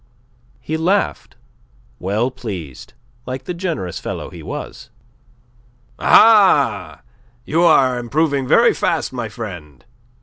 He laughed, well pleased, like the generous fellow he was. "Aha! You are improving very fast, my friend."